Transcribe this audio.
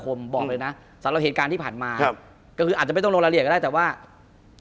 คุณผู้ชมบางท่าอาจจะไม่เข้าใจที่พิเตียร์สาร